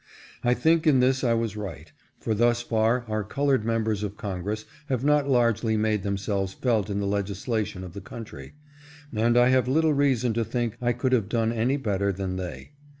I think in this I was right ; for thus far our colored members of Congress have not largely made themselves felt in the legislation of the country ; and I have little reason to think I could have done any better than they.